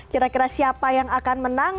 kira kira siapa yang akan menang